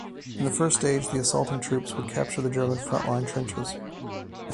In the first stage, the assaulting troops would capture the German front-line trenches.